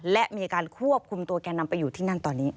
และมีการควบคุมตัวแกนำไปอยู่ที่นั่นตอนนี้